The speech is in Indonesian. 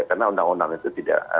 karena undang undang itu tidak